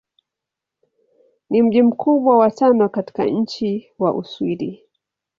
Ni mji mkubwa wa tano katika nchi wa Uswidi.